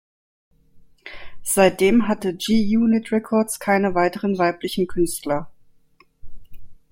Seitdem hatte G-Unit Records keine weiteren weiblichen Künstler.